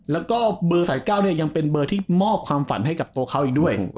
แล้วก็เบอร์สาย๙เนี่ยยังเป็นเบอร์ที่มอบความฝันให้กับตัวเขาอีกด้วย